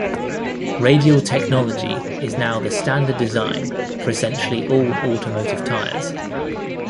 Radial technology is now the standard design for essentially all automotive tires.